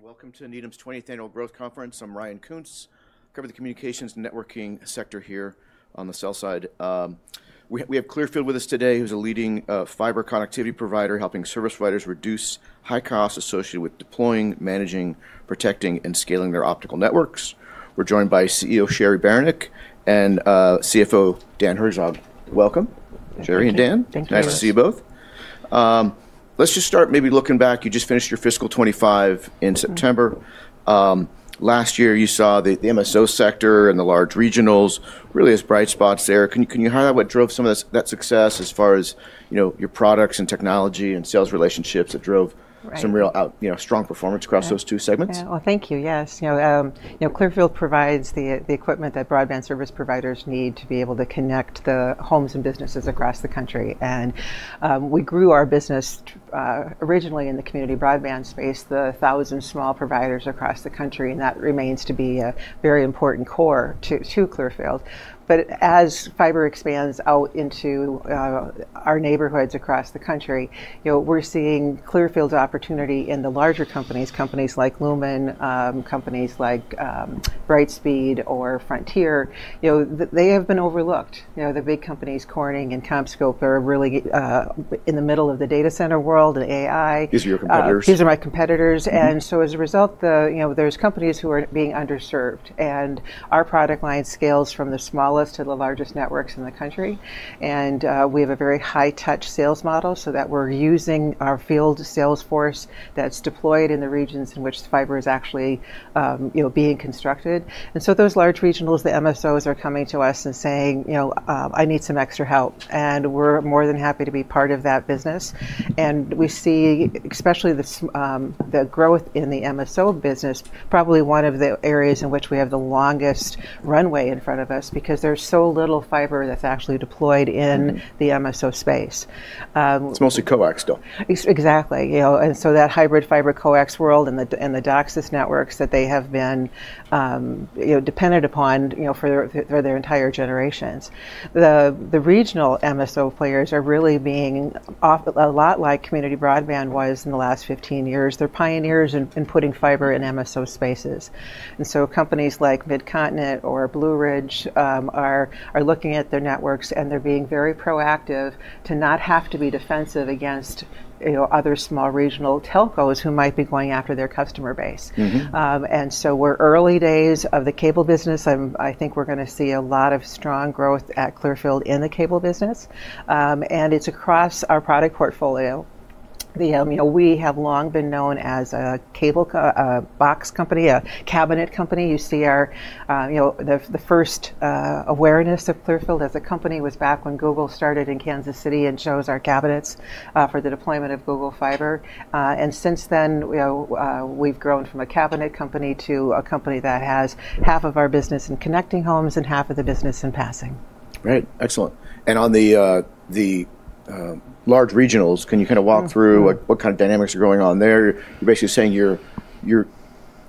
Welcome to Needham's 20th Annual Growth Conference. I'm Ryan Koontz, covering the communications and networking sector here on the sell side. We have Clearfield with us today, who's a leading fiber connectivity provider, helping service providers reduce high costs associated with deploying, managing, protecting, and scaling their optical networks. We're joined by CEO Cheri Beranek and CFO Dan Herzog. Welcome, Cheri and Dan. Thank you. Nice to see you both. Let's just start maybe looking back. You just finished your fiscal 2025 in September. Last year, you saw the MSO sector and the large regionals really as bright spots there. Can you highlight what drove some of that success as far as your products and technology and sales relationships that drove some real strong performance across those two segments? Well, thank you. Yes. Clearfield provides the equipment that broadband service providers need to be able to connect the homes and businesses across the country. And we grew our business originally in the community broadband space, the thousand small providers across the country. And that remains to be a very important core to Clearfield. But as fiber expands out into our neighborhoods across the country, we're seeing Clearfield's opportunity in the larger companies, companies like Lumen, companies like Brightspeed or Frontier. They have been overlooked. The big companies, Corning and CommScope, are really in the middle of the data center world and AI. These are your competitors. These are my competitors, and so as a result, there's companies who are being underserved, and our product line scales from the smallest to the largest networks in the country, and we have a very high-touch sales model so that we're using our field sales force that's deployed in the regions in which the fiber is actually being constructed, and so those large regionals, the MSOs, are coming to us and saying, "I need some extra help," and we're more than happy to be part of that business, and we see, especially the growth in the MSO business, probably one of the areas in which we have the longest runway in front of us because there's so little fiber that's actually deployed in the MSO space. It's mostly coax still. Exactly, and so that hybrid fiber coax world and the DOCSIS networks that they have been dependent upon for their entire generations. The regional MSO players are really being a lot like community broadband was in the last 15 years. They're pioneers in putting fiber in MSO spaces, and so companies like Midcontinent or Blue Ridge are looking at their networks, and they're being very proactive to not have to be defensive against other small regional telcos who might be going after their customer base, and so we're early days of the cable business. I think we're going to see a lot of strong growth at Clearfield in the cable business, and it's across our product portfolio. We have long been known as a cable box company, a cabinet company. You see the first awareness of Clearfield as a company was back when Google started in Kansas City and chose our cabinets for the deployment of Google Fiber, and since then, we've grown from a cabinet company to a company that has half of our business in connecting homes and half of the business in passing. Right. Excellent. And on the large regionals, can you kind of walk through what kind of dynamics are going on there? You're basically saying your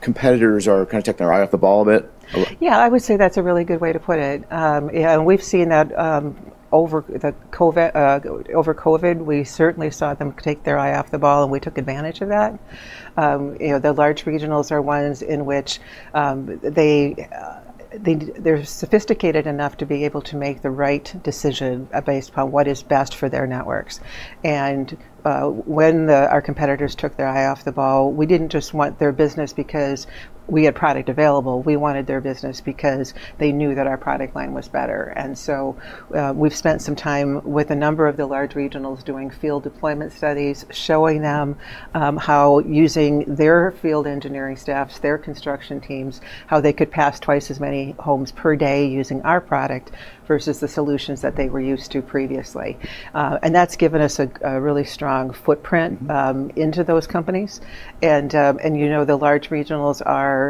competitors are kind of taking their eye off the ball a bit. Yeah, I would say that's a really good way to put it. We've seen that over COVID. We certainly saw them take their eye off the ball, and we took advantage of that. The large regionals are ones in which they're sophisticated enough to be able to make the right decision based upon what is best for their networks. And when our competitors took their eye off the ball, we didn't just want their business because we had product available. We wanted their business because they knew that our product line was better. And so we've spent some time with a number of the large regionals doing field deployment studies, showing them how using their field engineering staffs, their construction teams, how they could pass twice as many homes per day using our product versus the solutions that they were used to previously. And that's given us a really strong footprint into those companies. And you know, the large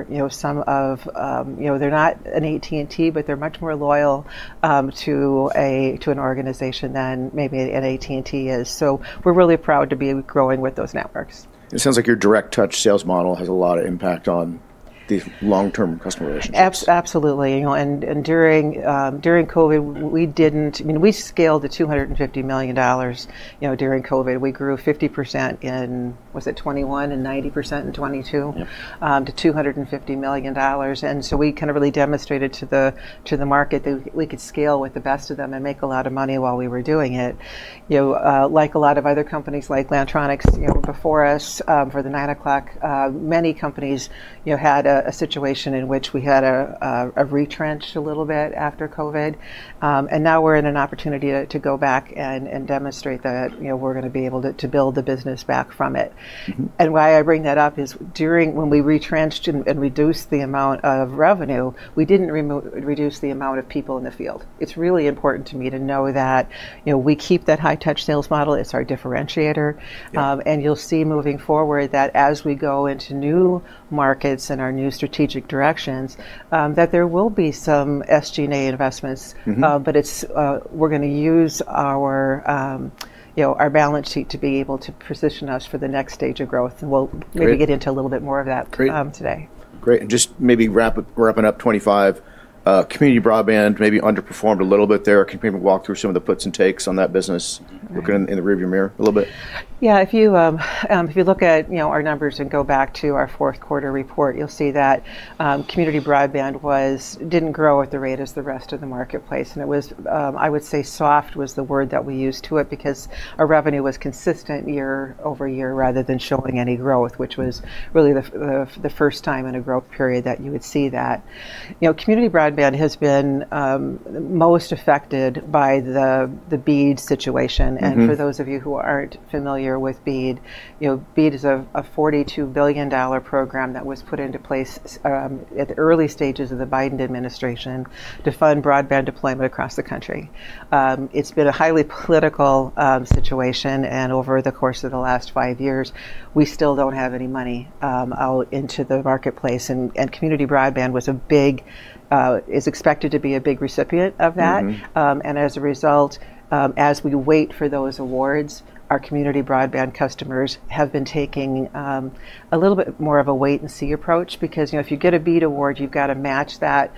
regionals, some of them are not an AT&T, but they're much more loyal to an organization than maybe an AT&T is. So we're really proud to be growing with those networks. It sounds like your direct touch sales model has a lot of impact on the long-term customer relationships. Absolutely. And during COVID, we didn't. I mean, we scaled to $250 million during COVID. We grew 50% in, was it 2021, and 90% in 2022 to $250 million. And so we kind of really demonstrated to the market that we could scale with the best of them and make a lot of money while we were doing it. Like a lot of other companies, like Lantronix before us for the 9:00 o'clock., many companies had a situation in which we had a retrench a little bit after COVID. And now we're in an opportunity to go back and demonstrate that we're going to be able to build the business back from it. And why I bring that up is when we retrenched and reduced the amount of revenue, we didn't reduce the amount of people in the field. It's really important to me to know that we keep that high-touch sales model. It's our differentiator. And you'll see moving forward that as we go into new markets and our new strategic directions, that there will be some SG&A investments. But we're going to use our balance sheet to be able to position us for the next stage of growth. And we'll maybe get into a little bit more of that today. Great. And just maybe wrap up, we're wrapping up 2025. Community broadband maybe underperformed a little bit there. Can you maybe walk through some of the puts and takes on that business, looking in the rearview mirror a little bit? Yeah. If you look at our numbers and go back to our fourth quarter report, you'll see that community broadband didn't grow at the rate as the rest of the marketplace, and it was, I would say, soft was the word that we used to it because our revenue was consistent year-over-year rather than showing any growth, which was really the first time in a growth period that you would see that. Community broadband has been most affected by the BEAD situation, and for those of you who aren't familiar with BEAD, BEAD is a $42 billion program that was put into place at the early stages of the Biden administration to fund broadband deployment across the country. It's been a highly political situation, and over the course of the last five years, we still don't have any money out into the marketplace. Community broadband is expected to be a big recipient of that. As a result, as we wait for those awards, our community broadband customers have been taking a little bit more of a wait-and-see approach because if you get a BEAD award, you've got to match that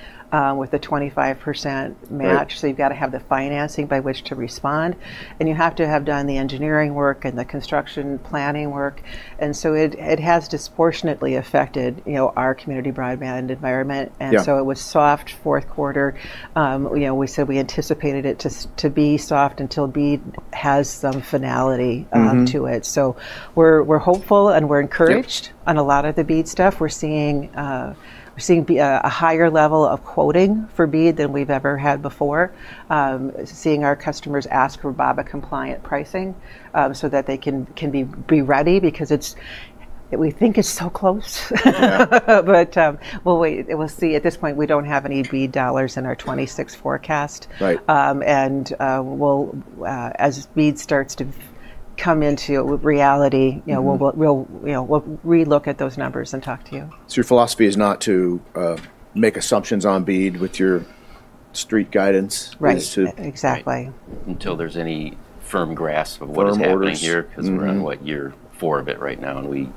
with a 25% match. You've got to have the financing by which to respond. You have to have done the engineering work and the construction planning work. It has disproportionately affected our community broadband environment. It was soft fourth quarter. We said we anticipated it to be soft until BEAD has some finality to it. We're hopeful and we're encouraged on a lot of the BEAD stuff. We're seeing a higher level of quoting for BEAD than we've ever had before, seeing our customers ask for BABA-compliant pricing so that they can be ready because we think it's so close. But we'll see. At this point, we don't have any BEAD dollars in our 2026 forecast. And as BEAD starts to come into reality, we'll relook at those numbers and talk to you. So your philosophy is not to make assumptions on BEAD with your street guidance. Right. Exactly. Until there's any firm grasp of what our orders are because we're on what year four of it right now, and we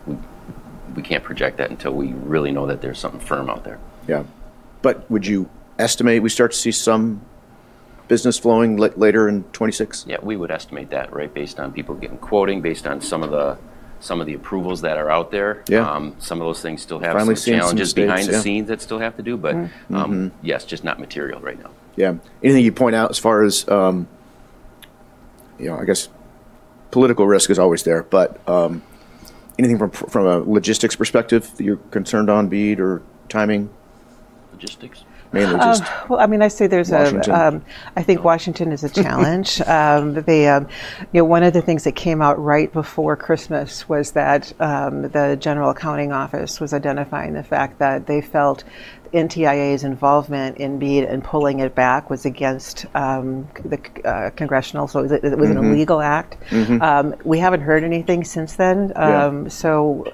can't project that until we really know that there's something firm out there. Yeah. But would you estimate we start to see some business flowing later in 2026? Yeah, we would estimate that, right, based on people getting quoting, based on some of the approvals that are out there. Some of those things still have some challenges behind the scenes that still have to do. But yes, just not material right now. Yeah. Anything you point out as far as, I guess, political risk is always there, but anything from a logistics perspective that you're concerned on BEAD or timing? Logistics? Main logistics. Well, I mean, I'd say there's a. I think Washington is a challenge. One of the things that came out right before Christmas was that the General Accountability Office was identifying the fact that they felt NTIA's involvement in BEAD and pulling it back was against the congressional. So it was an illegal act. We haven't heard anything since then. So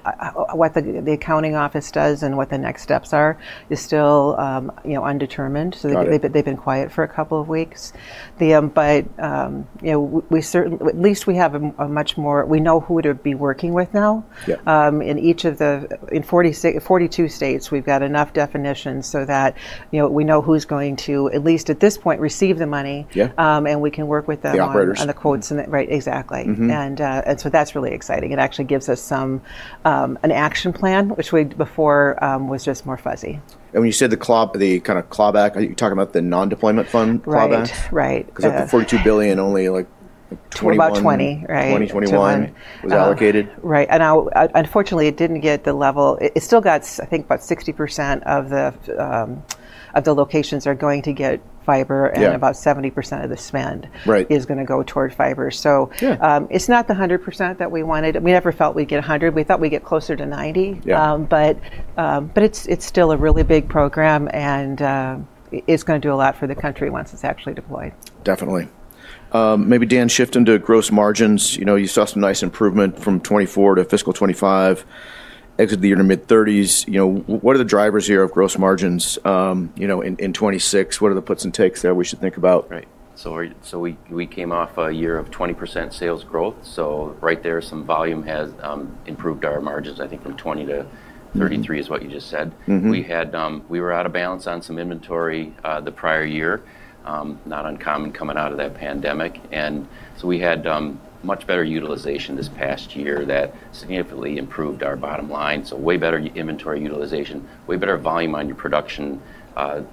what the accounting office does and what the next steps are is still undetermined. So they've been quiet for a couple of weeks. But at least we have a much more we know who to be working with now. In each of the 42 states, we've got enough definitions so that we know who's going to, at least at this point, receive the money. And we can work with them on the quotes. The operators. Right. Exactly. And so that's really exciting. It actually gives us an action plan, which before was just more fuzzy. When you said the claw- policy, the kind of clawback, you're talking about the non-deployment fund clawback? Right. Right. Because of the $42 billion, only like 20. About 20. Right. 2021 was allocated. Right. And unfortunately, it didn't get the level. It still gets, I think, about 60% of the locations are going to get fiber, and about 70% of the spend is going to go toward fiber. So it's not the 100% that we wanted. We never felt we'd get 100%. We thought we'd get closer to 90%. But it's still a really big program, and it's going to do a lot for the country once it's actually deployed. Definitely. Maybe Dan shift into gross margins. You saw some nice improvement from 2024 to fiscal 2025, exited the year in the mid-30s. What are the drivers here of gross margins in 2026? What are the puts and takes there we should think about? Right. So we came off a year of 20% sales growth. So right there, some volume has improved our margins, I think, from 20%-33% is what you just said. We were out of balance on some inventory the prior year, not uncommon coming out of that pandemic. And so we had much better utilization this past year that significantly improved our bottom line. So way better inventory utilization, way better volume on your production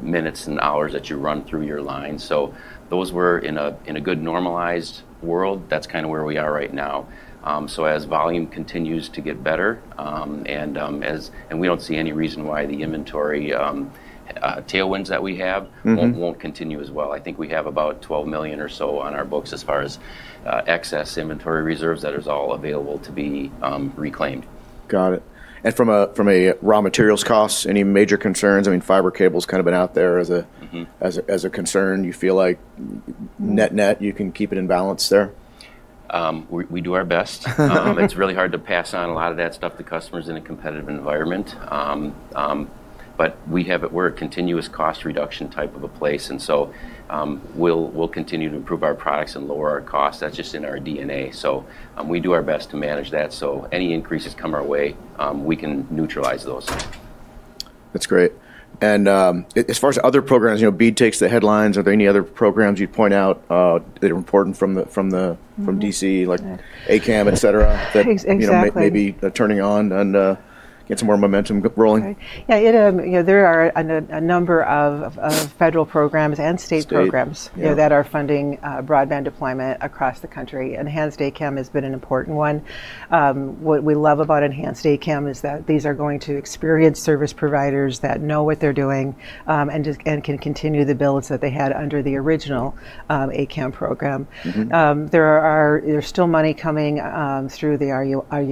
minutes and hours that you run through your line. So those were in a good normalized world. That's kind of where we are right now. So as volume continues to get better, and we don't see any reason why the inventory tailwinds that we have won't continue as well. I think we have about $12 million or so on our books as far as excess inventory reserves that are all available to be reclaimed. Got it. And from a raw materials cost, any major concerns? I mean, fiber cable's kind of been out there as a concern. You feel like net-net, you can keep it in balance there? We do our best. It's really hard to pass on a lot of that stuff to customers in a competitive environment. But we're a continuous cost reduction type of a place. And so we'll continue to improve our products and lower our costs. That's just in our DNA. So we do our best to manage that. So any increases come our way, we can neutralize those. That's great. And as far as other programs, BEAD takes the headlines. Are there any other programs you'd point out that are important from the DC, like ACAM, etc., that may be turning on and getting some more momentum rolling? Yeah. There are a number of federal programs and state programs that are funding broadband deployment across the country. Enhanced ACAM has been an important one. What we love about Enhanced ACAM is that these are going to experienced service providers that know what they're doing and can continue the builds that they had under the original ACAM program. There's still money coming through the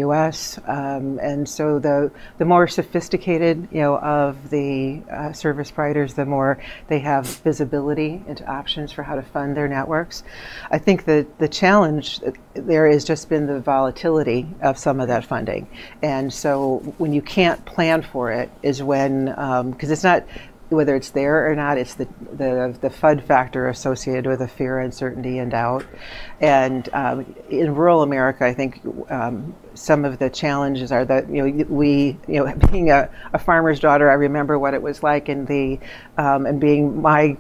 RUS. And so the more sophisticated of the service providers, the more they have visibility into options for how to fund their networks. I think the challenge there has just been the volatility of some of that funding. And so when you can't plan for it is when, because it's not whether it's there or not, it's the FUD factor associated with the fear, uncertainty, and doubt. In rural America, I think some of the challenges are that we, being a farmer's daughter, I remember what it was like and being my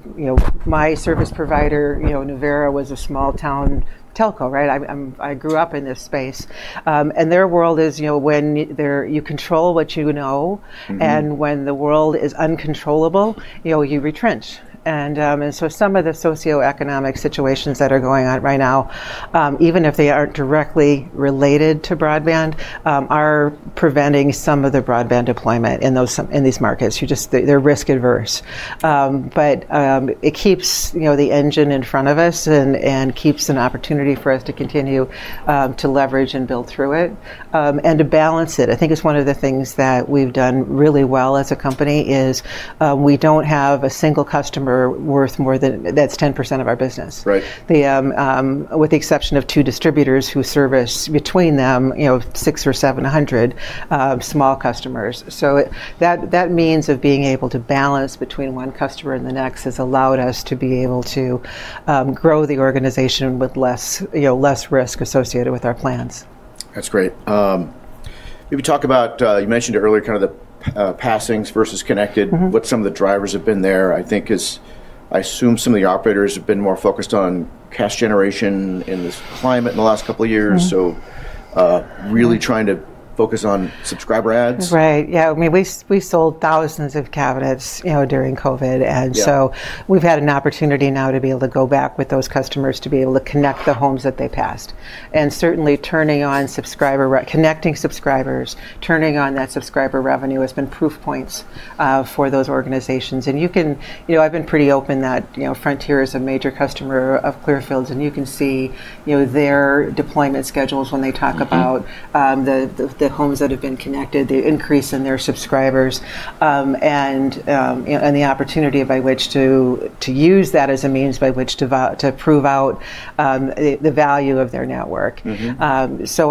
service provider, Nuvera was a small-town telco, right? I grew up in this space. Their world is when you control what you know, and when the world is uncontrollable, you retrench. So some of the socioeconomic situations that are going on right now, even if they aren't directly related to broadband, are preventing some of the broadband deployment in these markets. They're risk-averse, but it keeps the engine in front of us and keeps an opportunity for us to continue to leverage and build through it. And to balance it, I think it's one of the things that we've done really well as a company is we don't have a single customer worth more than that's 10% of our business, with the exception of two distributors who service between them 600 or 700 small customers. So that means of being able to balance between one customer and the next has allowed us to be able to grow the organization with less risk associated with our plans. That's great. Maybe talk about you mentioned earlier kind of the passings versus connected. What some of the drivers have been there, I think, is I assume some of the operators have been more focused on cash generation in this climate in the last couple of years. So really trying to focus on subscriber adds. Right. Yeah. I mean, we sold thousands of cabinets during COVID, and so we've had an opportunity now to be able to go back with those customers to be able to connect the homes that they passed, and certainly turning on subscriber, connecting subscribers, turning on that subscriber revenue has been proof points for those organizations, and I've been pretty open that Frontier is a major customer of Clearfield, and you can see their deployment schedules when they talk about the homes that have been connected, the increase in their subscribers, and the opportunity by which to use that as a means by which to prove out the value of their network, so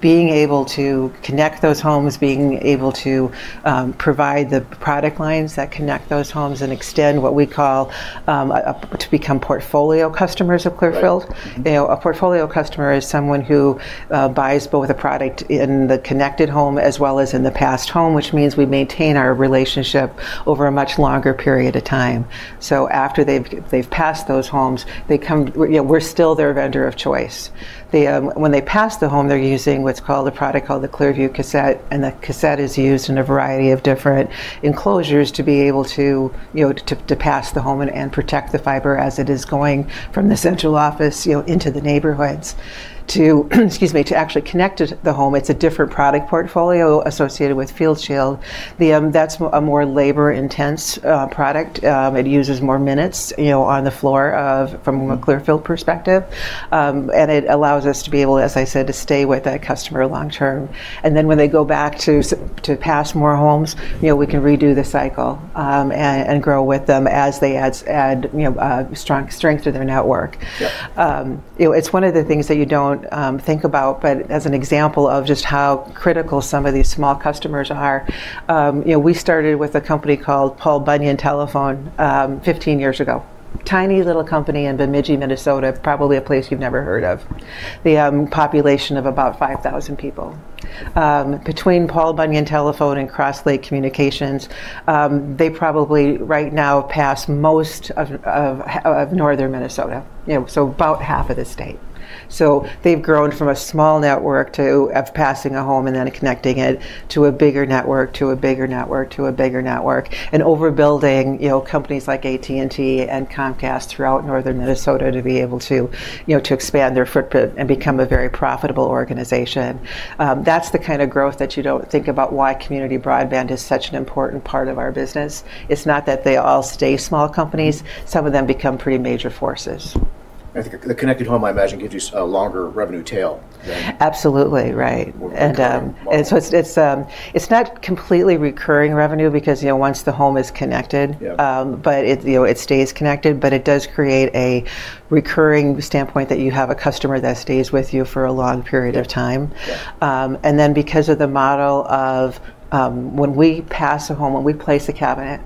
being able to connect those homes, being able to provide the product lines that connect those homes and extend what we call to become portfolio customers of Clearfield. A portfolio customer is someone who buys both a product in the connected home as well as in the passed home, which means we maintain our relationship over a much longer period of time, so after they've passed those homes, we're still their vendor of choice. When they pass the home, they're using what's called a product called the Clearview Cassette, and the cassette is used in a variety of different enclosures to be able to pass the home and protect the fiber as it is going from the central office into the neighborhoods to, excuse me, to actually connect to the home. It's a different product portfolio associated with FieldShield. That's a more labor-intensive product. It uses more minutes on the floor from a Clearfield perspective, and it allows us to be able, as I said, to stay with that customer long-term. And then when they go back to pass more homes, we can redo the cycle and grow with them as they add strength to their network. It's one of the things that you don't think about, but as an example of just how critical some of these small customers are, we started with a company called Paul Bunyan Telephone 15 years ago. Tiny little company in Bemidji, Minnesota, probably a place you've never heard of. The population of about 5,000 people. Between Paul Bunyan Telephone and Crosslake Communications, they probably right now pass most of northern Minnesota, so about half of the state. So they've grown from a small network of passing a home and then connecting it to a bigger network, to a bigger network, to a bigger network, and overbuilding companies like AT&T and Comcast throughout northern Minnesota to be able to expand their footprint and become a very profitable organization. That's the kind of growth that you don't think about why community broadband is such an important part of our business. It's not that they all stay small companies. Some of them become pretty major forces. I think the connected home, I imagine, gives you a longer revenue tail. Absolutely. Right. And so it's not completely recurring revenue because once the home is connected, but it stays connected, but it does create a recurring standpoint that you have a customer that stays with you for a long period of time. And then because of the model of when we pass a home, when we place a cabinet,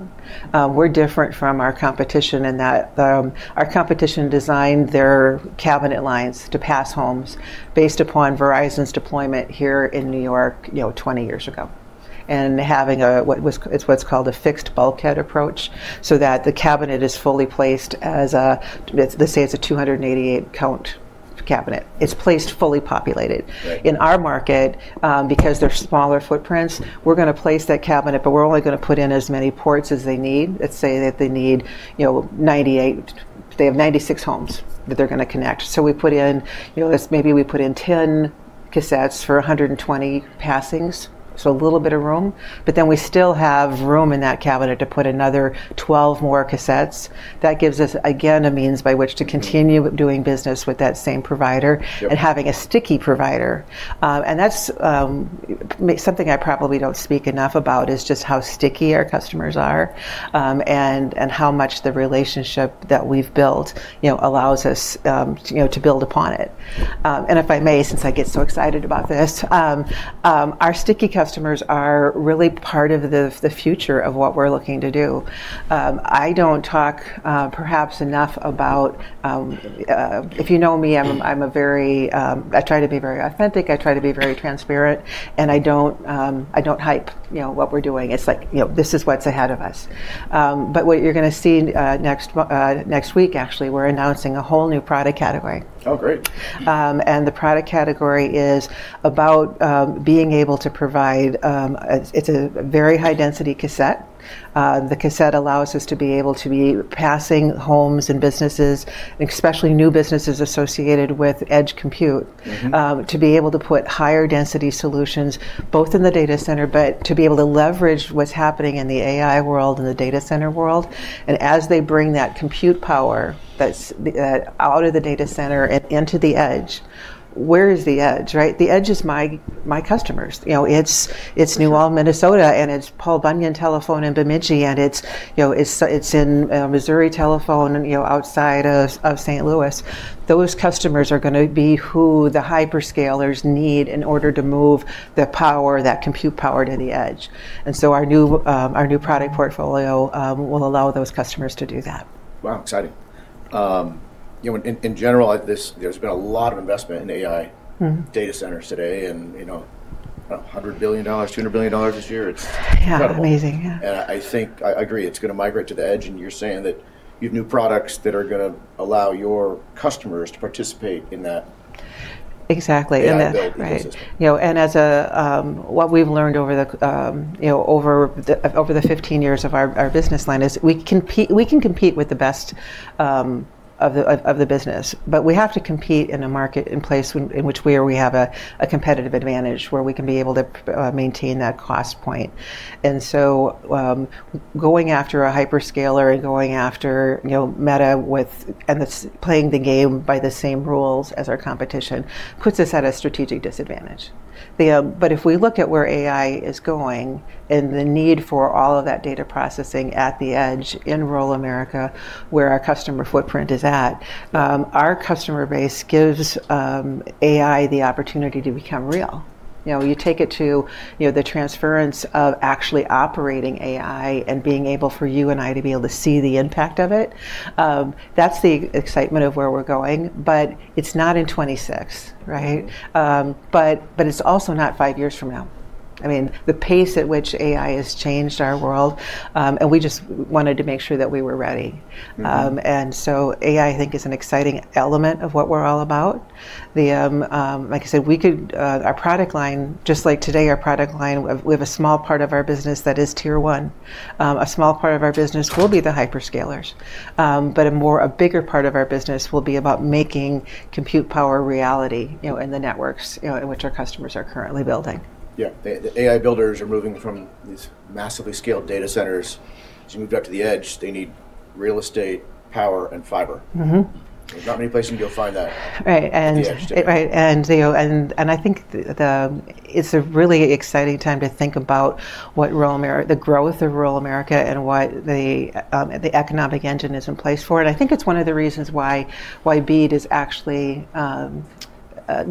we're different from our competition in that our competition designed their cabinet lines to pass homes based upon Verizon's deployment here in New York 20 years ago and having what's called a fixed bulkhead approach so that the cabinet is fully placed as a, let's say, it's a 288-count cabinet. It's placed fully populated. In our market, because they're smaller footprints, we're going to place that cabinet, but we're only going to put in as many ports as they need. Let's say that they need 98. They have 96 homes that they're going to connect. So we put in, maybe we put in 10 cassettes for 120 passings, so a little bit of room. But then we still have room in that cabinet to put another 12 more cassettes. That gives us, again, a means by which to continue doing business with that same provider and having a sticky provider. And that's something I probably don't speak enough about, is just how sticky our customers are and how much the relationship that we've built allows us to build upon it. And if I may, since I get so excited about this, our sticky customers are really part of the future of what we're looking to do. I don't talk perhaps enough about. If you know me, I'm a very. I try to be very authentic. I try to be very transparent, and I don't hype what we're doing. It's like, this is what's ahead of us, but what you're going to see next week, actually, we're announcing a whole new product category. Oh, great. The product category is about being able to provide. It's a very high-density cassette. The cassette allows us to be able to be passing homes and businesses, especially new businesses associated with edge compute, to be able to put higher-density solutions both in the data center, but to be able to leverage what's happening in the AI world and the data center world. As they bring that compute power out of the data center and into the edge, where is the edge, right? The edge is my customers. It's New Ulm, Minnesota, and it's Paul Bunyan Communications in Bemidji, and it's in Missouri Telephone outside of St. Louis. Those customers are going to be who the hyperscalers need in order to move that power, that compute power to the edge. Our new product portfolio will allow those customers to do that. Wow. Exciting. In general, there's been a lot of investment in AI data centers today and $100 billion-$200 billion this year. It's incredible. Yeah. Amazing. Yeah. And I think I agree. It's going to migrate to the edge. And you're saying that you have new products that are going to allow your customers to participate in that. Exactly. And that build ecosystem. And as what we've learned over the 15 years of our business line is we can compete with the best of the business, but we have to compete in a marketplace in which we have a competitive advantage where we can be able to maintain that cost point. And so going after a hyperscaler and going after Meta and playing the game by the same rules as our competition puts us at a strategic disadvantage. But if we look at where AI is going and the need for all of that data processing at the edge in rural America where our customer footprint is at, our customer base gives AI the opportunity to become real. You take it to the transference of actually operating AI and being able for you and I to be able to see the impact of it. That's the excitement of where we're going. But it's not in '26, right? But it's also not five years from now. I mean, the pace at which AI has changed our world, and we just wanted to make sure that we were ready. And so AI, I think, is an exciting element of what we're all about. Like I said, our product line, just like today, our product line, we have a small part of our business that is Tier 1. A small part of our business will be the hyperscalers. But a bigger part of our business will be about making compute power reality in the networks in which our customers are currently building. Yeah. The AI builders are moving from these massively scaled data centers. As you move up to the edge, they need real estate, power, and fiber. There's not many places you'll find that. Right, and I think it's a really exciting time to think about what role the growth of rural America and what the economic engine is in place for. I think it's one of the reasons why BEAD is actually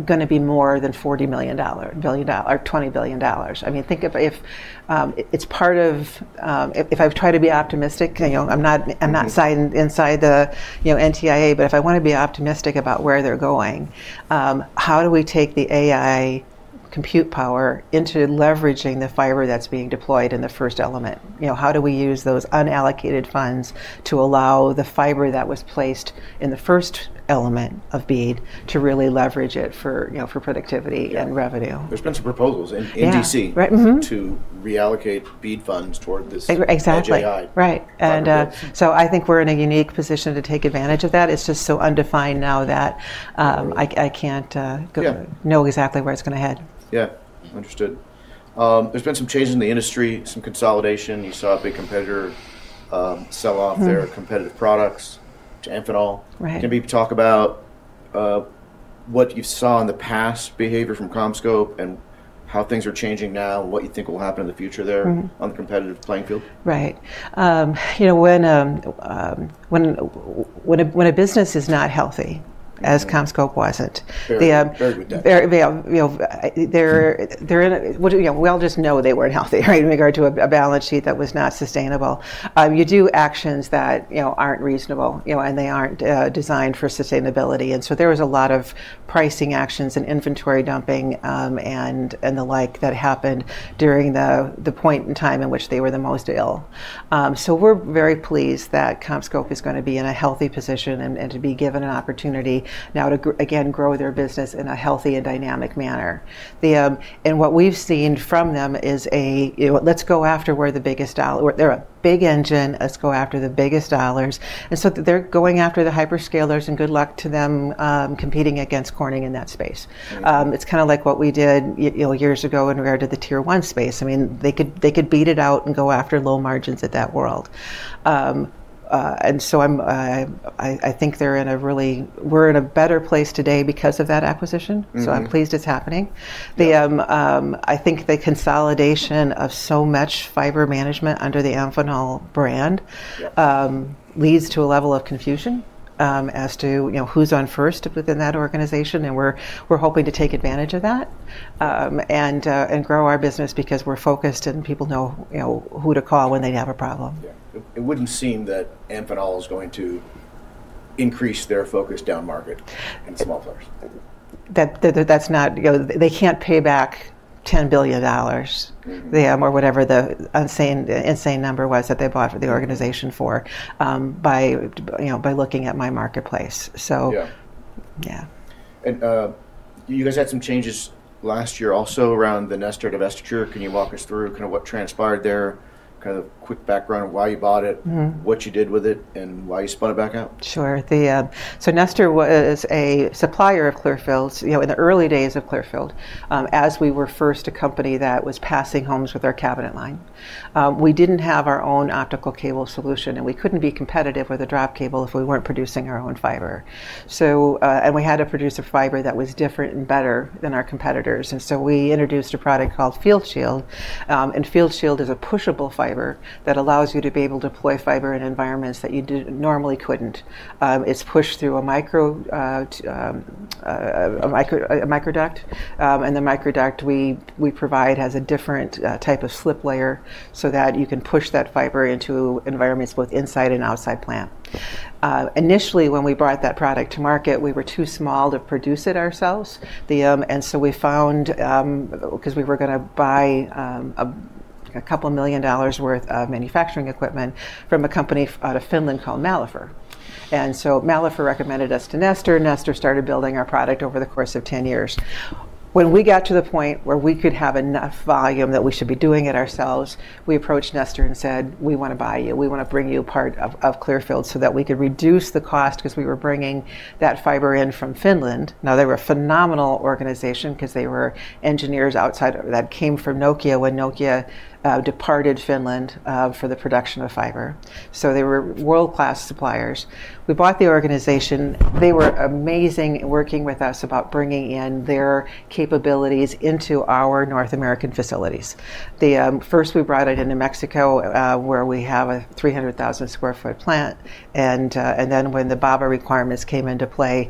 going to be more than $20 billion. I mean, think if it's part of, I've tried to be optimistic. I'm not inside the NTIA, but if I want to be optimistic about where they're going, how do we take the AI compute power into leveraging the fiber that's being deployed in the first element? How do we use those unallocated funds to allow the fiber that was placed in the first element of BEAD to really leverage it for productivity and revenue? There's been some proposals in DC to reallocate BEAD funds toward this AI. Exactly. Right, and so I think we're in a unique position to take advantage of that. It's just so undefined now that I can't know exactly where it's going to head. Yeah. Understood. There's been some changes in the industry, some consolidation. You saw a big competitor sell off their competitive products to Amphenol. Can we talk about what you saw in the past behavior from CommScope and how things are changing now and what you think will happen in the future there on the competitive playing field? Right. When a business is not healthy, as CommScope wasn't. Very good. We all just know they weren't healthy in regard to a balance sheet that was not sustainable. You do actions that aren't reasonable, and they aren't designed for sustainability. And so there was a lot of pricing actions and inventory dumping and the like that happened during the point in time in which they were the most ill. So we're very pleased that CommScope is going to be in a healthy position and to be given an opportunity now to, again, grow their business in a healthy and dynamic manner. And what we've seen from them is a, let's go after where the biggest dollar they're a big engine. Let's go after the biggest dollars. And so they're going after the hyperscalers, and good luck to them competing against Corning in that space. It's kind of like what we did years ago in regard to the Tier 1 space. I mean, they could beat it out and go after low margins at that world, and so I think we're in a better place today because of that acquisition, so I'm pleased it's happening. I think the consolidation of so much fiber management under the Amphenol brand leads to a level of confusion as to who's on first within that organization, and we're hoping to take advantage of that and grow our business because we're focused and people know who to call when they have a problem. Yeah. It wouldn't seem that Amphenol is going to increase their focus down market in small players. They can't pay back $10 billion or whatever the insane number was that they bought the organization for by looking at my marketplace. So yeah. You guys had some changes last year also around the Nestor divestiture. Can you walk us through kind of what transpired there, kind of quick background of why you bought it, what you did with it, and why you spun it back out? Sure. So Nestor is a supplier of Clearfield in the early days of Clearfield as we were first a company that was passing homes with our cabinet line. We didn't have our own optical cable solution, and we couldn't be competitive with a drop cable if we weren't producing our own fiber. And so we introduced a product called FieldShield. And FieldShield is a pushable fiber that allows you to be able to deploy fiber in environments that you normally couldn't. It's pushed through a microduct. And the microduct we provide has a different type of slip layer so that you can push that fiber into environments both inside and outside plant. Initially, when we brought that product to market, we were too small to produce it ourselves. We found that because we were going to buy a couple million dollars worth of manufacturing equipment from a company out of Finland called Maillefer. Maillefer recommended us to Nestor. Nestor started building our product over the course of 10 years. When we got to the point where we could have enough volume that we should be doing it ourselves, we approached Nestor and said, "We want to buy you. We want to bring you part of Clearfield so that we could reduce the cost because we were bringing that fiber in from Finland." They were a phenomenal organization because they were engineers outside that came from Nokia when Nokia departed Finland for the production of fiber. They were world-class suppliers. We bought the organization. They were amazing working with us about bringing in their capabilities into our North American facilities. First, we brought it into Mexico where we have a 300,000 sq ft plant. And then when the BABA requirements came into play,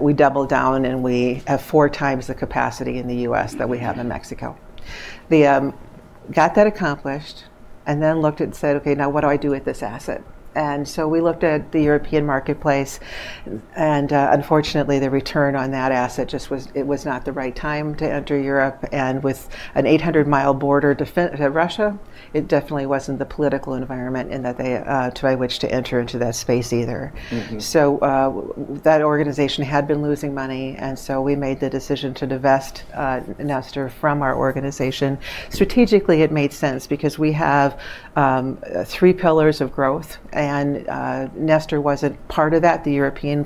we doubled down, and we have four times the capacity in the U.S. that we have in Mexico. Got that accomplished and then looked at and said, "Okay, now what do I do with this asset?" And so we looked at the European marketplace. And unfortunately, the return on that asset, it was not the right time to enter Europe. And with an 800-mi border to Russia, it definitely wasn't the political environment by which to enter into that space either. So that organization had been losing money. And so we made the decision to divest Nestor from our organization. Strategically, it made sense because we have three pillars of growth. And Nestor wasn't part of that. The European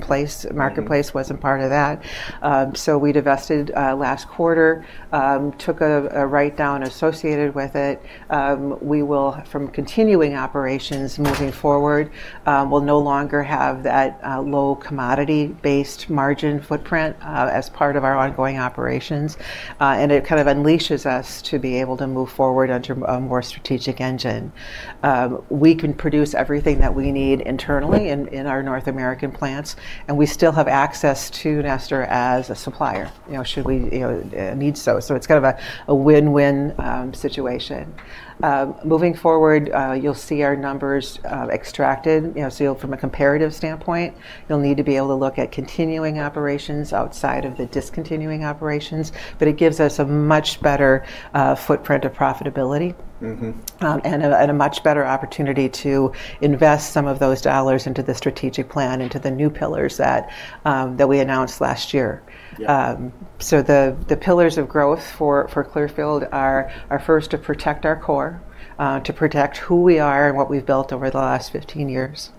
marketplace wasn't part of that. So we divested last quarter, took a write-down associated with it. We will, from continuing operations moving forward, no longer have that low commodity-based margin footprint as part of our ongoing operations. And it kind of unleashes us to be able to move forward onto a more strategic engine. We can produce everything that we need internally in our North American plants. And we still have access to Nestor as a supplier should we need so. So it's kind of a win-win situation. Moving forward, you'll see our numbers extracted. So from a comparative standpoint, you'll need to be able to look at continuing operations outside of the discontinuing operations. But it gives us a much better footprint of profitability and a much better opportunity to invest some of those dollars into the strategic plan, into the new pillars that we announced last year. The pillars of growth for Clearfield are first, to protect our core, to protect who we are and what we've built over the last 15 years.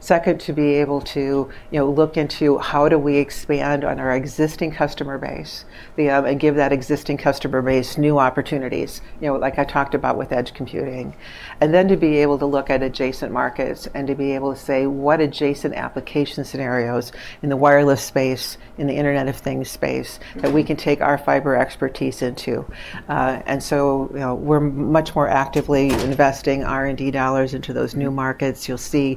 Second, to be able to look into how do we expand on our existing customer base and give that existing customer base new opportunities, like I talked about with Edge Computing. And then to be able to look at adjacent markets and to be able to say, "What adjacent application scenarios in the wireless space, in the Internet of Things space that we can take our fiber expertise into?" And so we're much more actively investing R&D dollars into those new markets. You'll see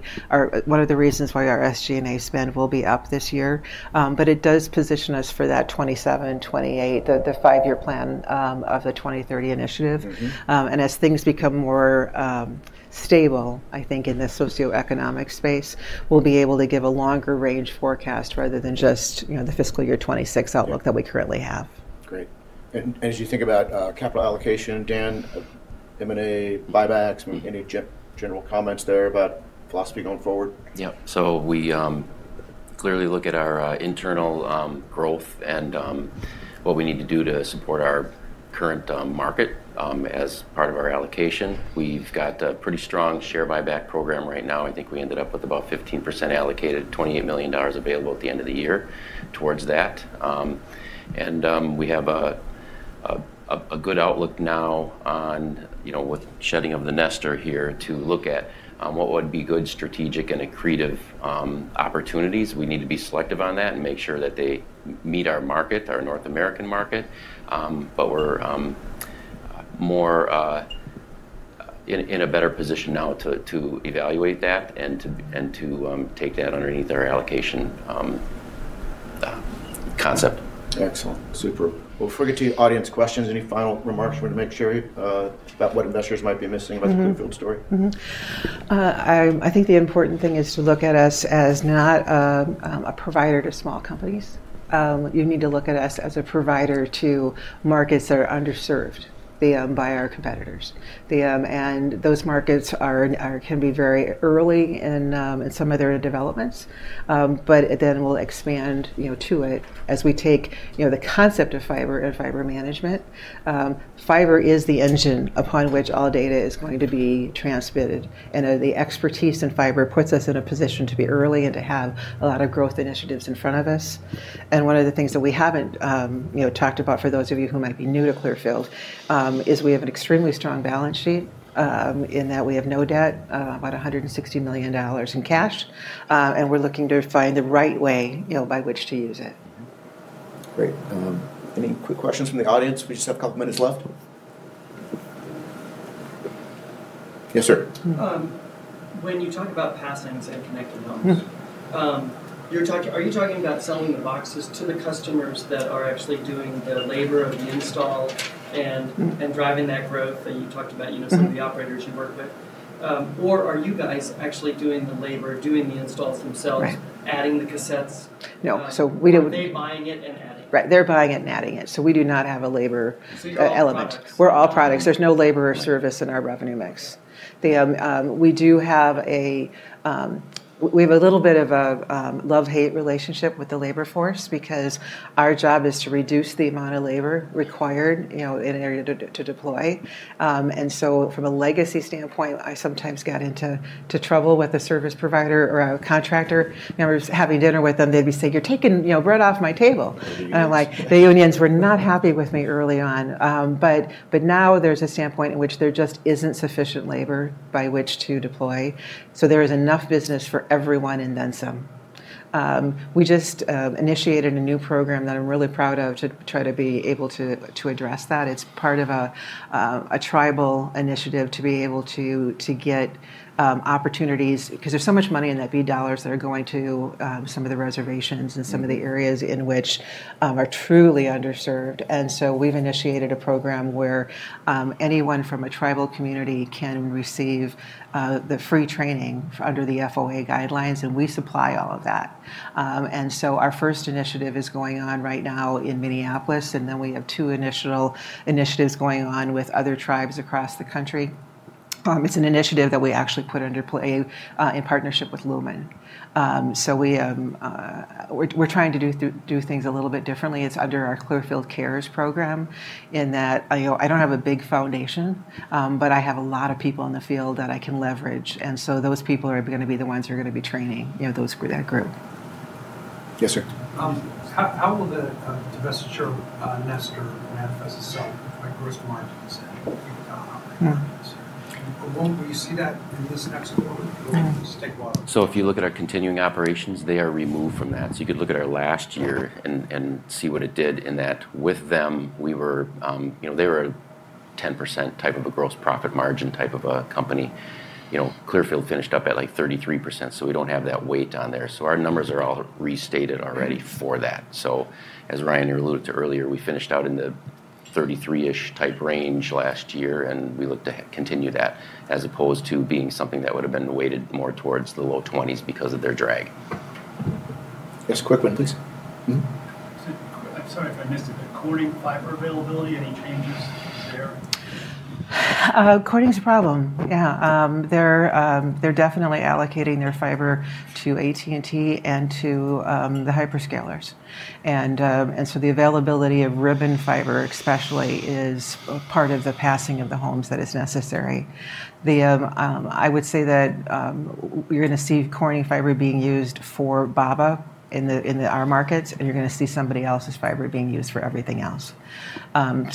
one of the reasons why our SG&A spend will be up this year. But it does position us for that 2027, 2028, the five-year plan of the 2030 initiative. As things become more stable, I think, in the socioeconomic space, we'll be able to give a longer range forecast rather than just the fiscal year '26 outlook that we currently have. Great. And as you think about capital allocation, Dan, M&A, buybacks, any general comments there about philosophy going forward? Yeah, so we clearly look at our internal growth and what we need to do to support our current market as part of our allocation. We've got a pretty strong share buyback program right now. I think we ended up with about 15% allocated, $28 million available at the end of the year towards that, and we have a good outlook now with shedding of the Nestor here to look at what would be good strategic and accretive opportunities. We need to be selective on that and make sure that they meet our market, our North American market, but we're in a better position now to evaluate that and to take that underneath our allocation concept. Excellent. Super. We'll turn to audience questions. Any final remarks you want to make about what investors might be missing about the Clearfield story? I think the important thing is to look at us as not a provider to small companies. You need to look at us as a provider to markets that are underserved by our competitors, and those markets can be very early in some of their developments. But then we'll expand to it as we take the concept of fiber and fiber management. Fiber is the engine upon which all data is going to be transmitted, and the expertise in fiber puts us in a position to be early and to have a lot of growth initiatives in front of us. One of the things that we haven't talked about for those of you who might be new to Clearfield is we have an extremely strong balance sheet in that we have no debt, about $160 million in cash. We're looking to find the right way by which to use it. Great. Any quick questions from the audience? We just have a couple of minutes left. Yes, sir. When you talk about passings and connected homes, are you talking about selling the boxes to the customers that are actually doing the labor of the install and driving that growth that you talked about, some of the operators you work with? Or are you guys actually doing the labor, doing the installs themselves, adding the cassettes? No. So we do. Are they buying it and adding it? Right. They're buying it and adding it, so we do not have a labor element. We're all products. There's no labor or service in our revenue mix. We do have a little bit of a love-hate relationship with the labor force because our job is to reduce the amount of labor required in an area to deploy, and so from a legacy standpoint, I sometimes got into trouble with a service provider or a contractor. I was having dinner with them. They'd be saying, "You're taking bread off my table," and I'm like, "The unions were not happy with me early on," but now there's a standpoint in which there just isn't sufficient labor by which to deploy, so there is enough business for everyone and then some. We just initiated a new program that I'm really proud of to try to be able to address that. It's part of a tribal initiative to be able to get opportunities because there's so much money in that billion dollars that are going to some of the reservations and some of the areas in which are truly underserved. And so we've initiated a program where anyone from a tribal community can receive the free training under the FOA guidelines. And we supply all of that. And so our first initiative is going on right now in Minneapolis. And then we have two initiatives going on with other tribes across the country. It's an initiative that we actually put into play in partnership with Lumen. So we're trying to do things a little bit differently. It's under our Clearfield Cares program in that I don't have a big foundation, but I have a lot of people in the field that I can leverage. And so those people are going to be the ones who are going to be training that group. Yes, sir. How will the divestiture of Nestor manifest itself in my gross margins? Will you see that in this next quarter? So if you look at our continuing operations, they are removed from that. So you could look at our last year and see what it did in that with them. They were a 10% type of a gross profit margin type of a company. Clearfield finished up at like 33%. So we don't have that weight on there. So our numbers are all restated already for that. So as Ryan alluded to earlier, we finished out in the 33-ish type range last year. And we look to continue that as opposed to being something that would have been weighted more towards the low 20s because of their drag. Yes, quick one, please. I'm sorry if I missed it. The Corning fiber availability, any changes there? Corning's a problem. Yeah. They're definitely allocating their fiber to AT&T and to the hyperscalers. And so the availability of ribbon fiber especially is part of the passing of the homes that is necessary. I would say that you're going to see Corning fiber being used for BABA in our markets. And you're going to see somebody else's fiber being used for everything else. From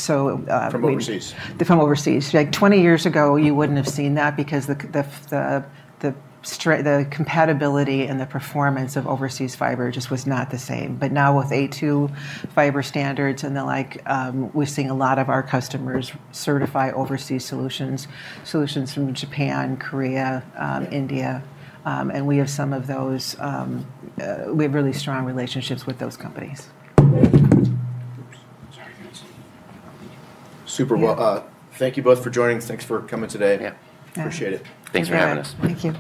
overseas. From overseas. Like 20 years ago, you wouldn't have seen that because the compatibility and the performance of overseas fiber just was not the same. But now with A2 fiber standards and the like, we're seeing a lot of our customers certify overseas solutions, solutions from Japan, Korea, India. And we have some of those. We have really strong relationships with those companies. Super. Well, thank you both for joining. Thanks for coming today. Yeah. Appreciate it. Thanks for having us. Thank you.